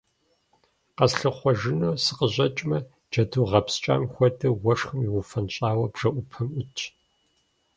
Къэслъыхъуэжыну сыкъыщӀэкӀмэ – джэду гъэпскӀам хуэдэу уэшхым иуфэнщӀауэ бжэӀупэм Ӏутщ.